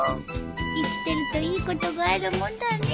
生きてるといいことがあるもんだね。